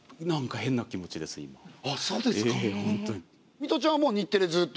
ミトちゃんはもう日テレずっと。